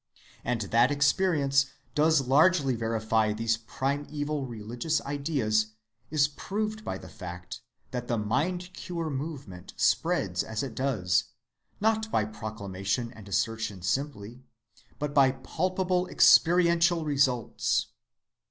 And that experience does largely verify these primeval religious ideas is proved by the fact that the mind‐cure movement spreads as it does, not by proclamation and assertion simply, but by palpable experiential results.